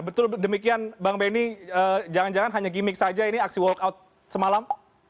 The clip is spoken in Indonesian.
betul demikian bang beni jangan jangan hanya gimmick saja ini aksi walk out semalam